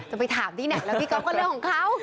จะไปถามดิเนี่ยแล้วพี่กำก็เลือกของเขา